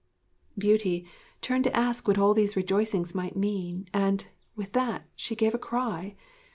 Beauty turned to ask what all these rejoicings might mean; and, with that, she gave a cry.